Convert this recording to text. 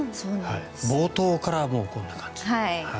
冒頭からこんな感じ。